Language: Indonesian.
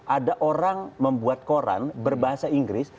ada orang membuat koran berbahasa inggris